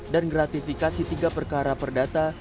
dan gratifikasi tiga perkara perdata